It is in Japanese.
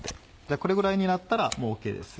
これぐらいになったらＯＫです。